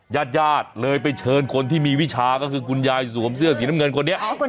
ญาติญาติเลยไปเชิญคนที่มีวิชาก็คือคุณยายสวมเสื้อสีน้ำเงินคนนี้